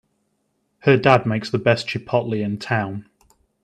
Her dad makes the best chipotle in town!